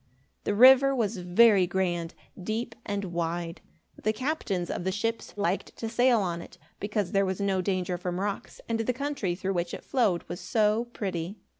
The river was very grand, deep, and wide. The captains of the ships liked to sail on it, because there was no danger from rocks, and the country through which it flowed was so pretty.